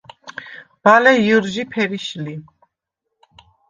ბალე ჲჷრჟი ფერიშ ლი.